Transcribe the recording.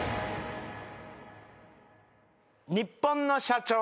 ニッポンの社長。